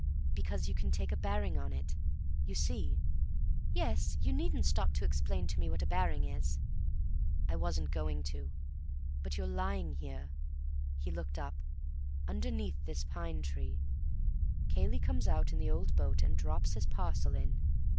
"Because you can take a bearing on it. You see—" "Yes, you needn't stop to explain to me what a bearing is." "I wasn't going to. But you're lying here"—he looked up—"underneath this pine tree. Cayley comes out in the old boat and drops his parcel in.